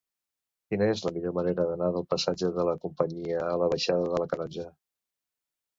Quina és la millor manera d'anar del passatge de la Companyia a la baixada de la Canonja?